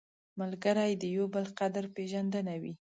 ملګری د یو بل قدر پېژندنه وي